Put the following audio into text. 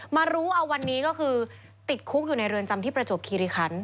มารู้เอาวันนี้ก็คือติดคุกอยู่ในเรือนจำที่ประจวบคิริคัน